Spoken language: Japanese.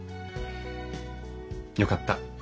よかった。